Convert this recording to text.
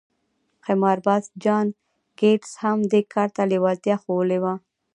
قمارباز جان ګيټس هم دې کار ته لېوالتيا ښوولې وه.